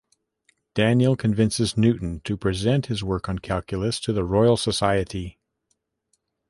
Daniel convinces Newton to present his work on calculus to the Royal Society.